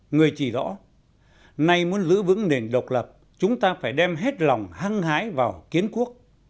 người chỉ rõ nay muốn giữ vững nền độc lập chúng ta phải đem hết lòng hăng hái vào kiến quốc